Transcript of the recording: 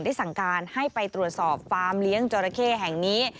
สั่งการให้ไปตรวจสอบฟาร์มเลี้ยงจราเข้แห่งนี้